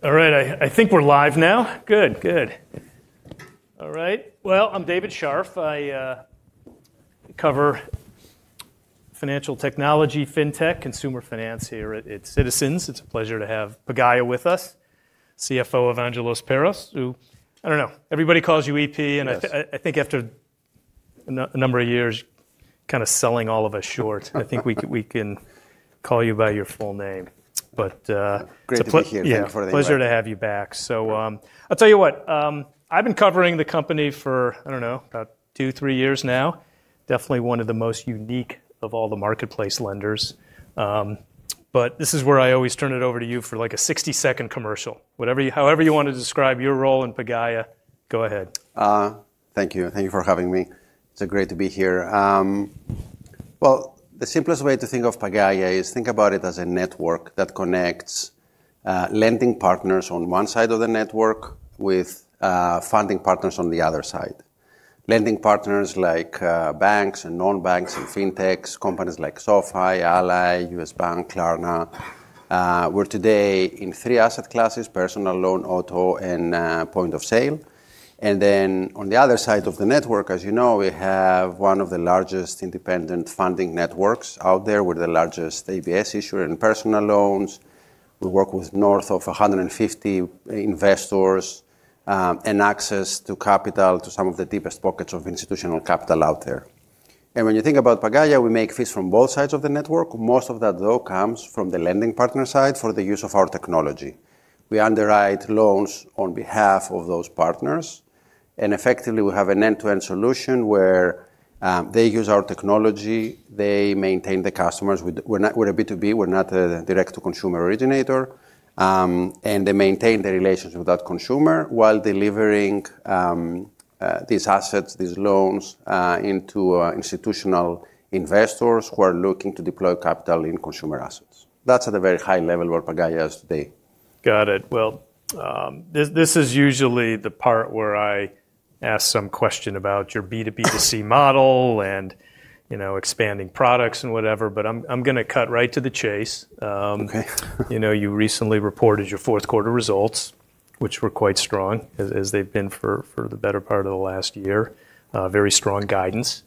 All right, I think we're live now. Good. Good. All right. Well, I'm David Scharf. I cover financial technology, fintech, consumer finance here at Citizens. It's a pleasure to have Pagaya with us, CFO Evangelos Perros, who I don't know. Everybody calls you EP. Yes. I think after a number of years kind of selling all of us short, I think we can call you by your full name. Great to be here. It's a ple-. Thank you for the invite. Yeah. Pleasure to have you back. I'll tell you what, I've been covering the company for, I don't know, about 2, 3 years now. Definitely one of the most unique of all the marketplace lenders. This is where I always turn it over to you for like a 60-second commercial. However you want to describe your role in Pagaya, go ahead. Thank you. Thank you for having me. It's great to be here. Well, the simplest way to think of Pagaya is think about it as a network that connects lending partners on one side of the network with funding partners on the other side. Lending partners like banks and non-banks and fintechs, companies like SoFi, Ally, U.S. Bank, Klarna. We're today in three asset classes: personal loan, auto, and point of sale. Then on the other side of the network, as you know, we have one of the largest independent funding networks out there. We're the largest ABS issuer in personal loans. We work with north of 150 investors, and access to capital to some of the deepest pockets of institutional capital out there. When you think about Pagaya, we make fees from both sides of the network. Most of that, though, comes from the lending partner side for the use of our technology. We underwrite loans on behalf of those partners, and effectively, we have an end-to-end solution where they use our technology, they maintain the customers. We're a B2B, we're not a direct-to-consumer originator. They maintain the relationship with that consumer while delivering these assets, these loans into institutional investors who are looking to deploy capital in consumer assets. That's at a very high level where Pagaya is today. Got it. Well, this is usually the part where I ask some question about your B2B2C model and, you know, expanding products and whatever, but I'm gonna cut right to the chase. Okay. You know, you recently reported your fourth quarter results, which were quite strong, as they've been for the better part of the last year. Very strong guidance.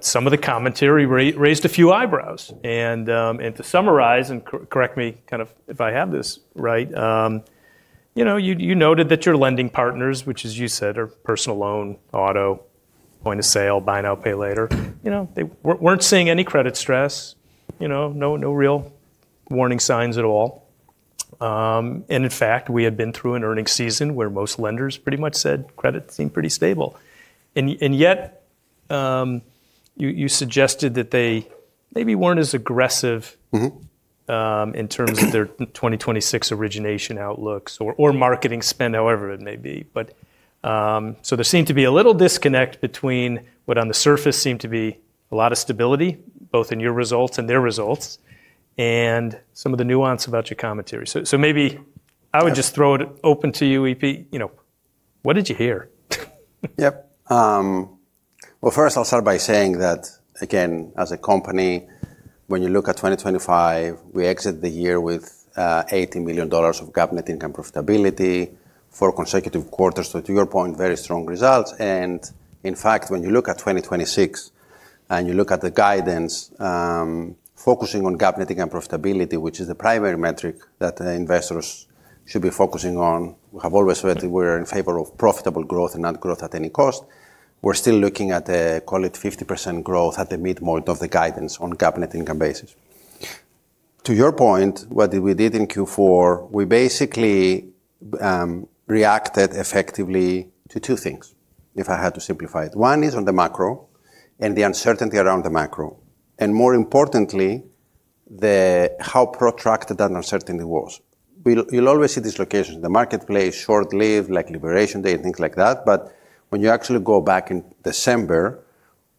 Some of the commentary raised a few eyebrows. To summarize, and correct me kind of if I have this right, you know, you noted that your lending partners, which, as you said, are personal loan, auto, point of sale, buy now, pay later, you know, they weren't seeing any credit stress. You know, no real warning signs at all. And in fact, we had been through an earnings season where most lenders pretty much said credit seemed pretty stable. Yet, you suggested that they maybe weren't as aggressive- Mm-hmm ...in terms of their 2026 origination outlooks or marketing spend, however it may be. There seemed to be a little disconnect between what on the surface seemed to be a lot of stability, both in your results and their results, and some of the nuance about your commentary. Maybe I would just throw it open to you, EP. You know, what did you hear? Well, first I'll start by saying that, again, as a company, when you look at 2025, we exit the year with $80 million of GAAP net income profitability, four consecutive quarters. To your point, very strong results. In fact, when you look at 2026, and you look at the guidance, focusing on GAAP net income profitability, which is the primary metric that investors should be focusing on. We have always said we're in favor of profitable growth and not growth at any cost. We're still looking at, call it 50% growth at the midpoint of the guidance on GAAP net income basis. To your point, what we did in Q4, we basically, reacted effectively to two things, if I had to simplify it. One is on the macro and the uncertainty around the macro, and more importantly, the how protracted that uncertainty was. We'll, you'll always see these locations. The marketplace, short-lived, like Liberation Day, and things like that. When you actually go back in December,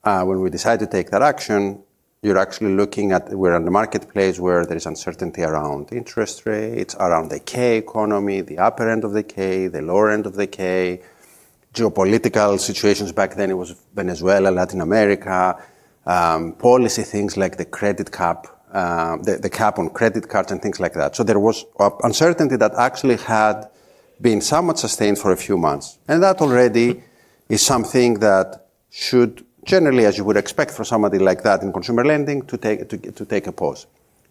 when we decided to take that action, you're actually looking at we're in a marketplace where there is uncertainty around interest rates, around the K-shaped economy, the upper end of the K, the lower end of the K, geopolitical situations. Back then it was Venezuela, Latin America, policy things like the credit cap, the cap on credit cards and things like that. There was uncertainty that actually had been somewhat sustained for a few months. That already is something that should generally, as you would expect for somebody like that in consumer lending, to take, to take a pause.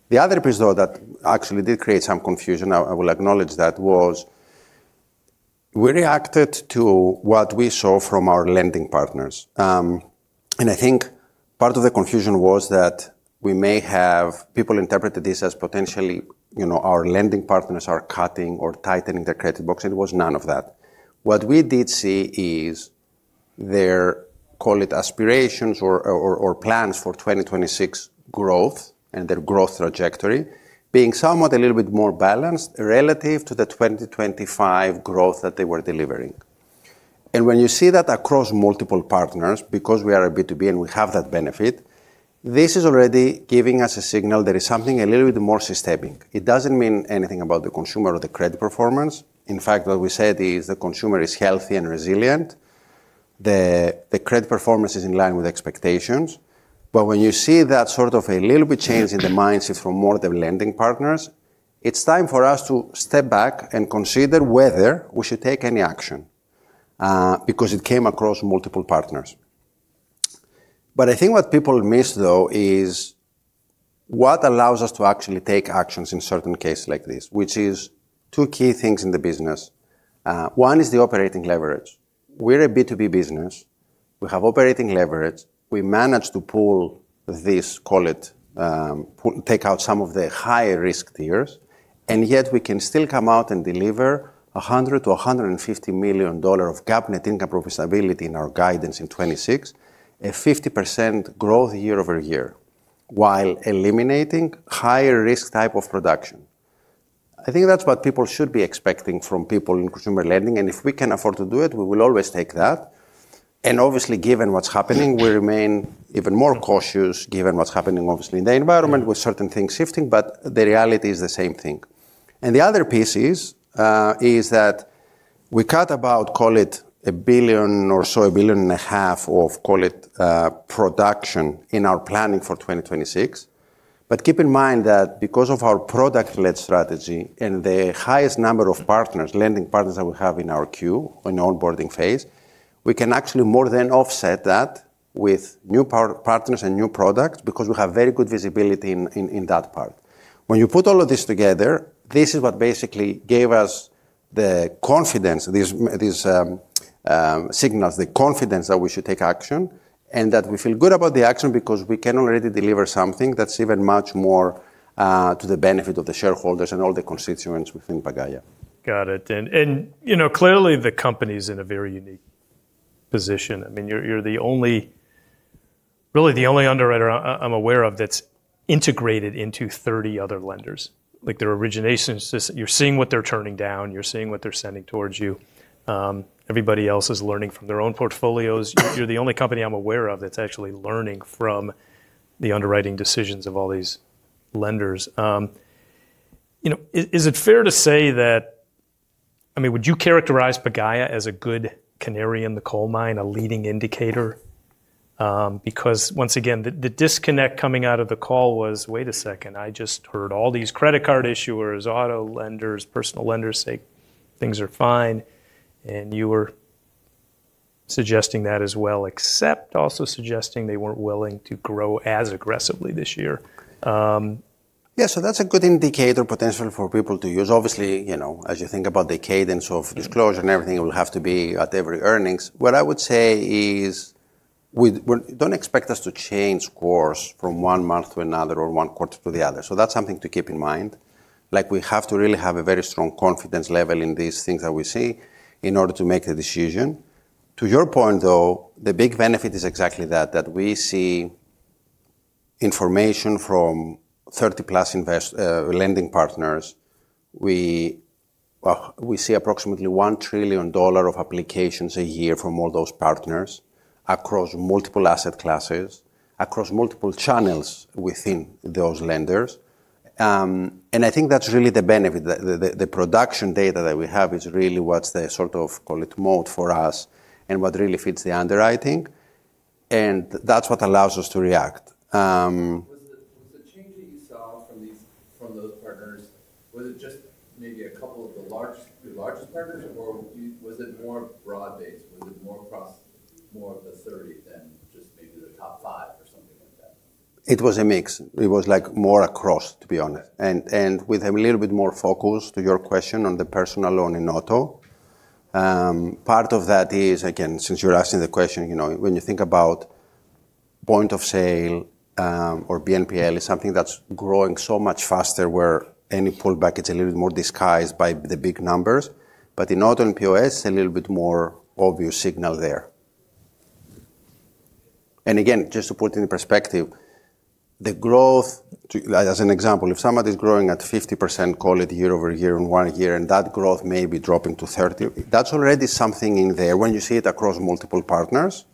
The other piece, though, that actually did create some confusion, I will acknowledge that, was we reacted to what we saw from our lending partners. And I think part of the confusion was that people interpreted this as potentially, you know, our lending partners are cutting or tightening their credit box. It was none of that. What we did see is their, call it aspirations or plans for 2026 growth and their growth trajectory being somewhat a little bit more balanced relative to the 2025 growth that they were delivering. When you see that across multiple partners, because we are a B2B and we have that benefit, this is already giving us a signal there is something a little bit more systemic. It doesn't mean anything about the consumer or the credit performance. In fact, what we said is the consumer is healthy and resilient. The credit performance is in line with expectations. When you see that sort of a little bit change in the mindset from more of the lending partners, it's time for us to step back and consider whether we should take any action because it came across multiple partners. I think what people miss though is what allows us to actually take actions in certain cases like this, which is two key things in the business. One is the operating leverage. We're a B2B business. We have operating leverage. We managed to pull this, call it, take out some of the higher risk tiers, and yet we can still come out and deliver $100 million-$150 million of GAAP net income profitability in our guidance in 2026, a 50% growth year over year, while eliminating higher risk type of production. I think that's what people should be expecting from people in consumer lending, and if we can afford to do it, we will always take that. Obviously, given what's happening, we remain even more cautious given what's happening obviously in the environment with certain things shifting, but the reality is the same thing. The other piece is that we cut about, call it, $1 billion or so, $1.5 billion of, call it, production in our planning for 2026. Keep in mind that because of our product-led strategy and the highest number of partners, lending partners that we have in our queue on the onboarding phase, we can actually more than offset that with new part-partners and new products because we have very good visibility in that part. When you put all of this together, this is what basically gave us the confidence, these signals, the confidence that we should take action and that we feel good about the action because we can already deliver something that's even much more to the benefit of the shareholders and all the constituents within Pagaya. Got it. You know, clearly the company's in a very unique position. I mean, you're the only really the only underwriter I'm aware of that's integrated into 30 other lenders. You're seeing what they're turning down, you're seeing what they're sending towards you. Everybody else is learning from their own portfolios. You're the only company I'm aware of that's actually learning from the underwriting decisions of all these lenders. You know, is it fair to say that... I mean, would you characterize Pagaya as a good canary in the coal mine, a leading indicator? Once again, the disconnect coming out of the call was, wait a second, I just heard all these credit card issuers, auto lenders, personal lenders say things are fine, and you were suggesting that as well, except also suggesting they weren't willing to grow as aggressively this year. That's a good indicator potential for people to use. Obviously, you know, as you think about the cadence of disclosure and everything will have to be at every earnings. What I would say is well, don't expect us to change course from one month to another or one quarter to the other. That's something to keep in mind. Like, we have to really have a very strong confidence level in these things that we see in order to make a decision. To your point, though, the big benefit is exactly that we see information from 30-plus lending partners. We see approximately $1 trillion of applications a year from all those partners across multiple asset classes, across multiple channels within those lenders. I think that's really the benefit. The production data that we have is really what's the sort of, call it, moat for us and what really fits the underwriting. That's what allows us to react. Was the change that you saw from those partners, was it just maybe a couple of the large, the largest partners, or was it more broad-based? Was it more across more of the 30 than just maybe the top 5 or something like that? It was a mix. It was, like, more across, to be honest. With a little bit more focus to your question on the personal loan in auto. Part of that is, again, since you're asking the question, you know, when you think about point of sale, or BNPL is something that's growing so much faster, where any pullback, it's a little bit more disguised by the big numbers. In auto and POS, a little bit more obvious signal there. Again, just to put into perspective, the growth, as an example, if somebody's growing at 50%, call it, year-over-year in one year, and that growth may be dropping to 30%, that's already something in there when you see it across multiple partners.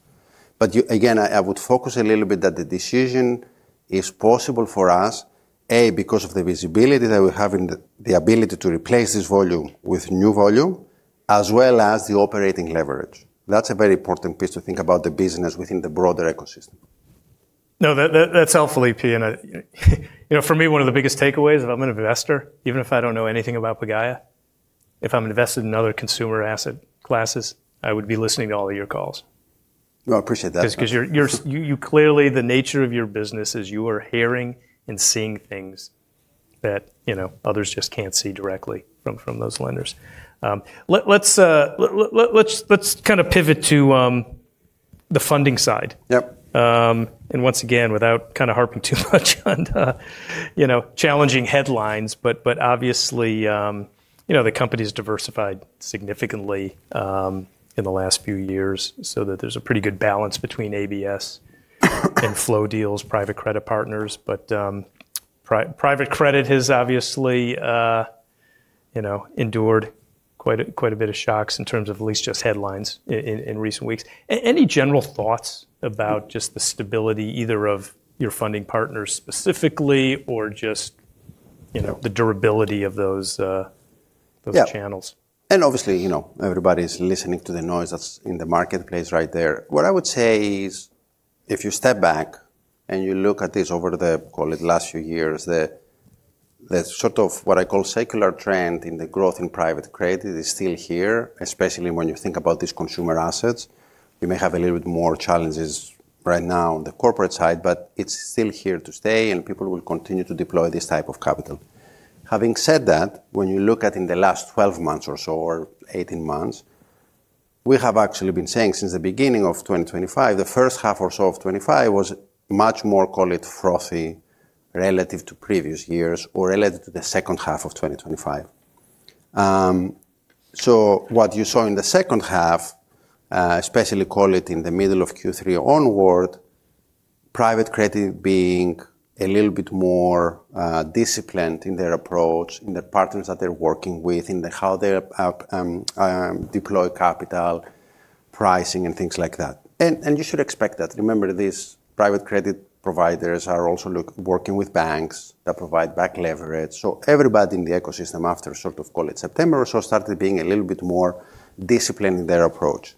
Again, I would focus a little bit that the decision is possible for us, A, because of the visibility that we have and the ability to replace this volume with new volume, as well as the operating leverage. That's a very important piece to think about the business within the broader ecosystem. No. That's helpful, EP. You know, for me, one of the biggest takeaways, if I'm an investor, even if I don't know anything about Pagaya, if I'm invested in other consumer asset classes, I would be listening to all of your calls. No, I appreciate that. Just 'cause you clearly the nature of your business is you are hearing and seeing things that, you know, others just can't see directly from those lenders. Let's kind of pivot to the funding side. Yep. Once again, without kind of harping too much on the, you know, challenging headlines, but, obviously, you know, the company's diversified significantly, in the last few years so that there's a pretty good balance between ABS and flow deals, private credit partners. Private credit has obviously, you know, endured quite a, quite a bit of shocks in terms of at least just headlines in recent weeks. Any general thoughts about just the stability either of your funding partners specifically or just, you know, the durability of those, Those channels? Obviously, you know, everybody's listening to the noise that's in the marketplace right there. What I would say is, if you step back and you look at this over the, call it, last few years, the sort of what I call secular trend in the growth in private credit is still here, especially when you think about these consumer assets. We may have a little bit more challenges right now on the corporate side, but it's still here to stay, and people will continue to deploy this type of capital. Having said that, when you look at in the last 12 months or so, or 18 months, we have actually been saying since the beginning of 2025, the first half or so of 2025 was much more, call it, frothy relative to previous years or relative to the second half of 2025. What you saw in the second half, especially call it in the middle of Q3 onward, private credit being a little bit more disciplined in their approach, in the partners that they're working with, in how they're deploy capital, pricing and things like that. You should expect that. Remember, these private credit providers are also working with banks that provide back leverage. Everybody in the ecosystem after sort of, call it, September or so, started being a little bit more disciplined in their approach.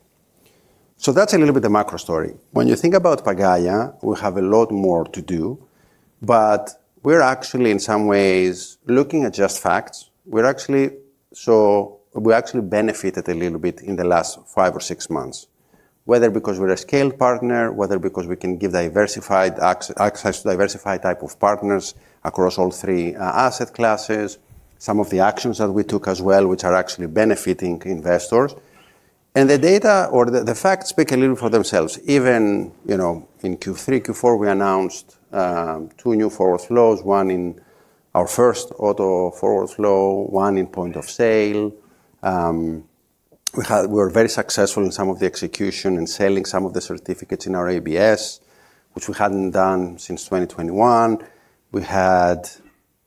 That's a little bit the macro story. When you think about Pagaya, we have a lot more to do, but we're actually in some ways looking at just facts. We actually benefited a little bit in the last five or six months, whether because we're a scaled partner, whether because we can give diversified access to diversified type of partners across all three asset classes. Some of the actions that we took as well, which are actually benefiting investors. The data or the facts speak a little for themselves. Even, you know, in Q3, Q4, we announced two new forward flows, one in our first auto forward flow, one in point of sale. We were very successful in some of the execution and selling some of the certificates in our ABS, which we hadn't done since 2021. We had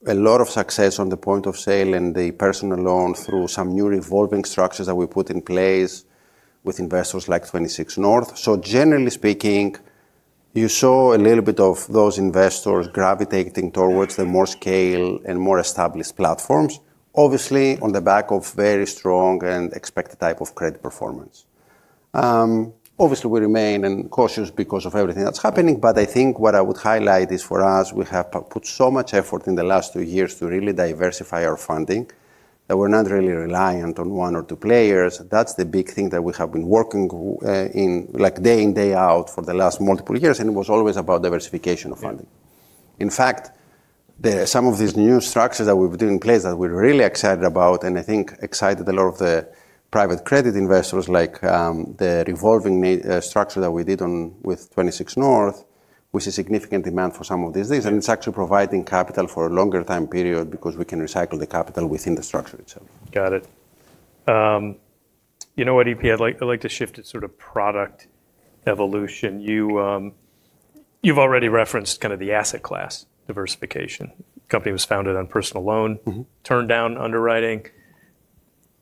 a lot of success on the point of sale and the personal loan through some new revolving structures that we put in place with investors like 26North. Generally speaking, you saw a little bit of those investors gravitating towards the more scale and more established platforms, obviously on the back of very strong and expected type of credit performance. Obviously we remain cautious because of everything that's happening. I think what I would highlight is for us, we have put so much effort in the last two years to really diversify our funding, that we're not really reliant on one or two players. That's the big thing that we have been working, in like day in, day out for the last multiple years, and it was always about diversification of funding. In fact, some of these new structures that we've put in place that we're really excited about and I think excited a lot of the private credit investors like, the revolving structure that we did with 26North, which is significant demand for some of these things. It's actually providing capital for a longer time period because we can recycle the capital within the structure itself. Got it. you know what, EP? I'd like to shift to sort of product evolution. You, you've already referenced kind of the asset class diversification. Company was founded on personal loan. Mm-hmm. Turned down underwriting.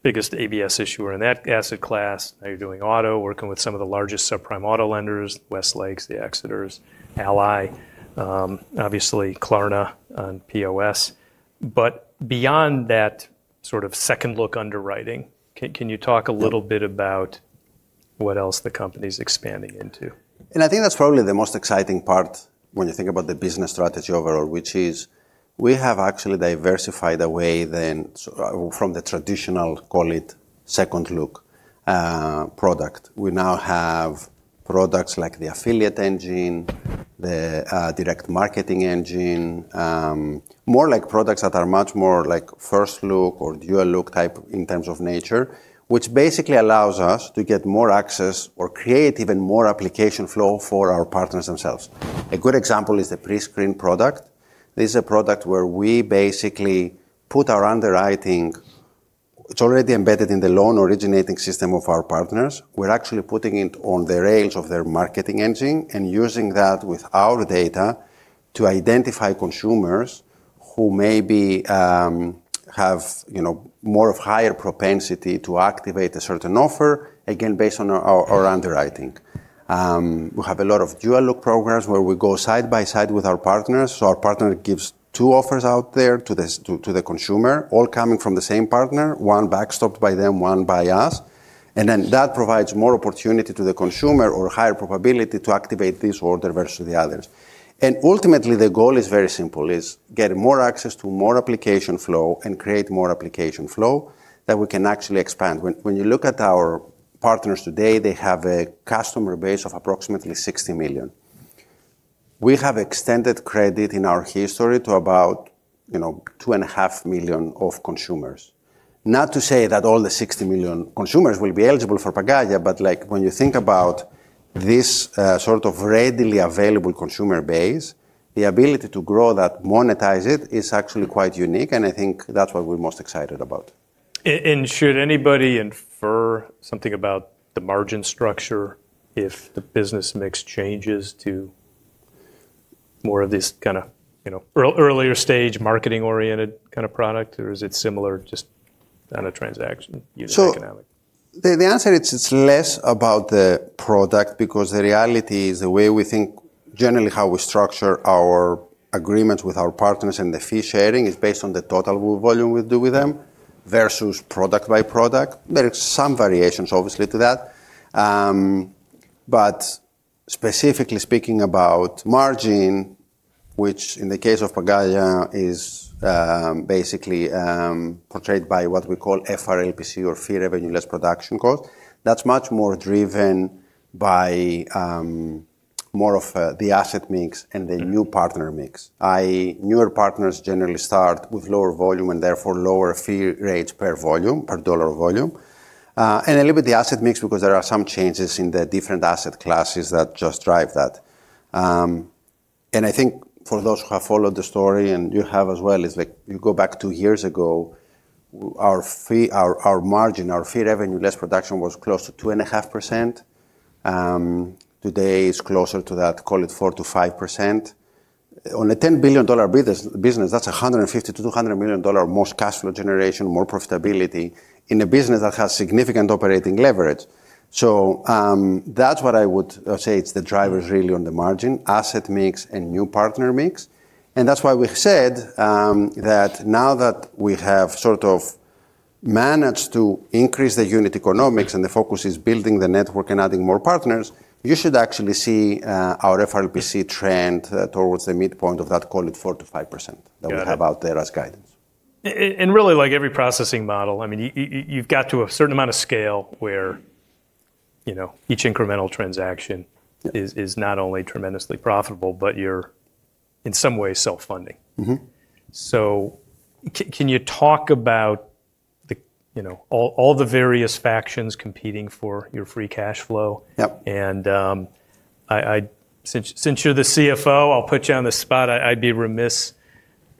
Biggest ABS issuer in that asset class. Now you're doing auto, working with some of the largest subprime auto lenders, Westlake, Exeter, Ally, obviously Klarna on POS. Beyond that sort of second look underwriting, can you talk a little bit about what else the company's expanding into? I think that's probably the most exciting part when you think about the business strategy overall, which is we have actually diversified away from the traditional, call it, second look product. We now have products like the Affiliate Engine, the Direct Marketing Engine, more like products that are much more like first look or dual look type in terms of nature, which basically allows us to get more access or create even more application flow for our partners themselves. A good example is the PreScreen product. This is a product where we basically put our underwriting. It's already embedded in the Loan Origination System of our partners. We're actually putting it on the rails of their marketing engine and using that with our data to identify consumers who maybe, you know, more of higher propensity to activate a certain offer, again, based on our underwriting. We have a lot of dual look programs where we go side by side with our partners. Our partner gives two offers out there to the consumer, all coming from the same partner, one backstopped by them, one by us. That provides more opportunity to the consumer or higher probability to activate this order versus the others. Ultimately, the goal is very simple, is get more access to more application flow and create more application flow that we can actually expand. When you look at our partners today, they have a customer base of approximately 60 million. We have extended credit in our history to about, you know, two and a half million of consumers. Not to say that all the 60 million consumers will be eligible for Pagaya, but, like, when you think about this, sort of readily available consumer base, the ability to grow that, monetize it, is actually quite unique, and I think that's what we're most excited about. Should anybody infer something about the margin structure if the business makes changes to more of this kind of, you know, earlier stage marketing-oriented kind of product, or is it similar just on a transaction unit economic? The answer is it's less about the product because the reality is the way we think, generally how we structure our agreements with our partners and the fee sharing is based on the total volume we do with them versus product by product. There are some variations obviously to that. Specifically speaking about margin, which in the case of Pagaya is basically portrayed by what we call FRAPC or fee revenue less production cost. That's much more driven by more of the asset mix and the new partner mix. Newer partners generally start with lower volume and therefore lower fee rates per volume, per dollar volume. A little bit the asset mix because there are some changes in the different asset classes that just drive that. I think for those who have followed the story, and you have as well, is like you go back 2 years ago, our fee, our margin, our Fee Revenue Less Production was close to 2.5%. Today it's closer to that, call it 4%-5%. On a $10 billion business, that's a $150 million-$200 million more cash flow generation, more profitability in a business that has significant operating leverage. That's what I would say. It's the drivers really on the margin, asset mix and new partner mix. That's why we said, that now that we have sort of managed to increase the unit economics and the focus is building the network and adding more partners, you should actually see our FRAPC trend towards the midpoint of that, call it 4%-5%. Got it. that we have out there as guidance. really like every processing model, I mean, you've got to a certain amount of scale where, you know, each incremental transaction. Yeah. -is not only tremendously profitable, but you're in some way self-funding. Mm-hmm. Can you talk about the, you know, all the various factions competing for your free cash flow? Yep. Since you're the CFO, I'll put you on the spot. I'd be remiss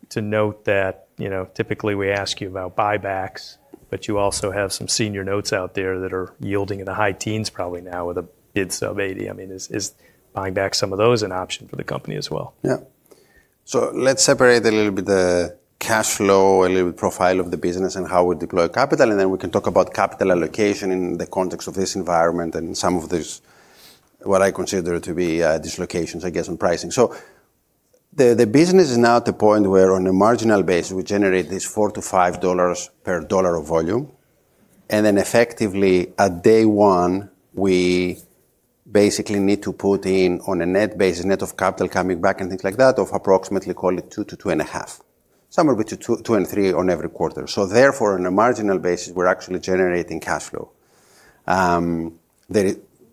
to note that, you know, typically we ask you about buybacks, but you also have some senior notes out there that are yielding in the high teens probably now with a bid sub 80. I mean, is buying back some of those an option for the company as well? Yeah. Let's separate a little bit the cash flow, a little bit profile of the business and how we deploy capital, and then we can talk about capital allocation in the context of this environment and some of these, what I consider to be, dislocations, I guess, on pricing. The business is now at the point where on a marginal basis, we generate this $4-$5 per dollar of volume. Effectively at day one, we basically need to put in on a net base, net of capital coming back and things like that, of approximately call it $2-$2.5. Somewhere between $2 and $3 on every quarter. On a marginal basis, we're actually generating cash flow.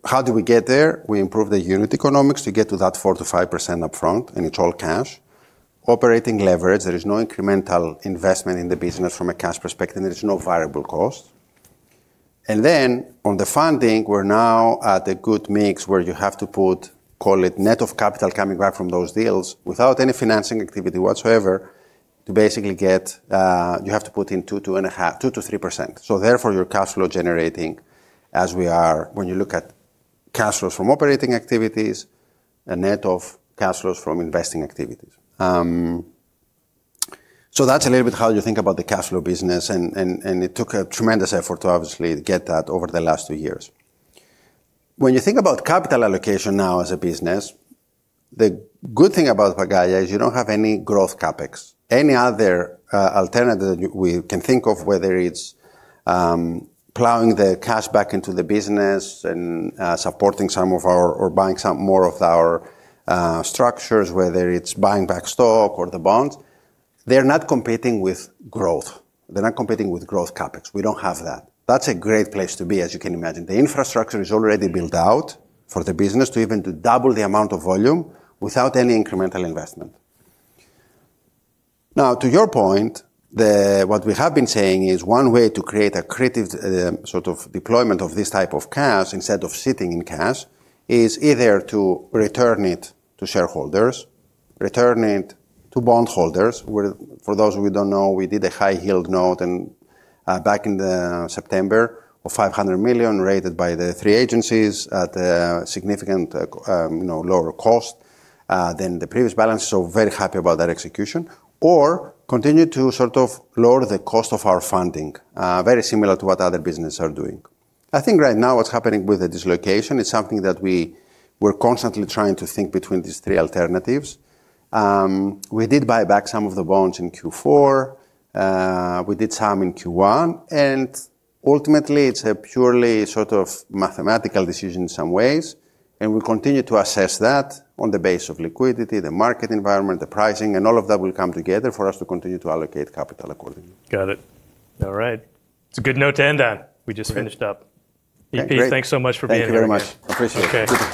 How do we get there? We improve the unit economics to get to that 4% to 5% upfront. It's all cash. Operating leverage, there is no incremental investment in the business from a cash perspective. There's no variable cost. On the funding, we're now at a good mix where you have to put, call it net of capital coming back from those deals without any financing activity whatsoever to basically get, you have to put in 2% to 3%. Therefore, your cash flow generating as we are when you look at cash flows from operating activities and net of cash flows from investing activities. That's a little bit how you think about the cash flow business and it took a tremendous effort to obviously get that over the last two years. When you think about capital allocation now as a business, the good thing about Pagaya is you don't have any Growth Capex. Any other alternative that we can think of, whether it's plowing the cash back into the business and supporting some of our or buying some more of our structures, whether it's buying back stock or the bonds, they're not competing with growth. They're not competing with Growth Capex. We don't have that. That's a great place to be, as you can imagine. The infrastructure is already built out for the business to even double the amount of volume without any incremental investment. Now, to your point, the. What we have been saying is one way to create a creative, sort of deployment of this type of cash instead of sitting in cash is either to return it to shareholders, return it to bondholders, where for those who don't know, we did a high-yield note back in the September of $500 million rated by the three agencies at a significant, you know, lower cost than the previous balance. Very happy about that execution. Continue to sort of lower the cost of our funding, very similar to what other business are doing. I think right now what's happening with the dislocation is something that we were constantly trying to think between these three alternatives. We did buy back some of the bonds in Q4. We did some in Q1. Ultimately, it's a purely sort of mathematical decision in some ways, and we continue to assess that on the base of liquidity, the market environment, the pricing, and all of that will come together for us to continue to allocate capital accordingly. Got it. All right. It's a good note to end on. We just finished up. Okay. EP, thanks so much for being here. Thank you very much. Appreciate it. Okay.